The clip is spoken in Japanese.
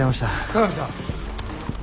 加賀美さん。